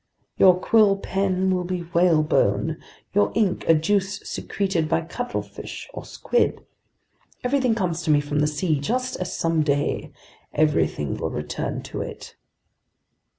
Your quill pen will be whalebone, your ink a juice secreted by cuttlefish or squid. Everything comes to me from the sea, just as someday everything will return to it!"